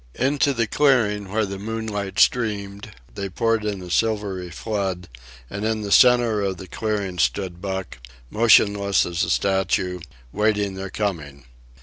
Into the clearing where the moonlight streamed, they poured in a silvery flood; and in the centre of the clearing stood Buck, motionless as a statue, waiting their coming.